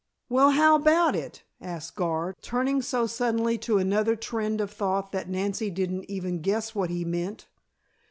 "Well, how about it?" asked Gar, turning so suddenly to another trend of thought that Nancy didn't even guess what he meant.